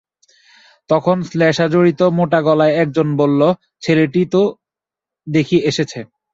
তখন শ্লেষ্মাজড়িত মোটা গলায় একজন বলল, ছেলেটি তো দেখি এসেছে।